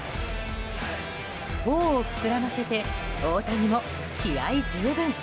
頬膨らませて大谷も気合十分。